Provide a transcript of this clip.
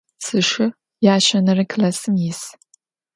Sşşı yaşenere klassım yis.